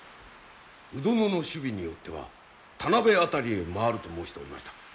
鵜殿の首尾によっては田辺あたりへ回ると申しておりました。